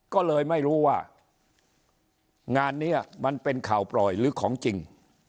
ก็เลยไม่รู้ว่างานนี้มันเป็นข่าวปล่อยหรือของจริง